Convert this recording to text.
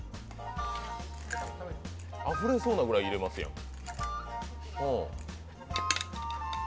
あふれそうなぐらい入れますやん。